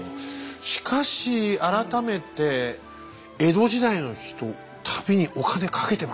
しかし改めて江戸時代の人旅にお金かけてましたね。